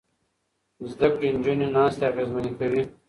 زده کړې نجونې ناستې اغېزمنې کوي.